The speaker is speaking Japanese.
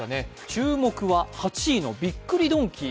注目は８位のびっくりドンキー。